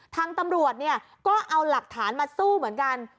ทางตำรวจเนี่ยก็เอาหลักฐานมาสู้เหมือนกัน